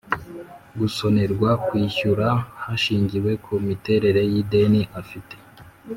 gusonerwa kwishyura hashingiwe ku miterere yideni afite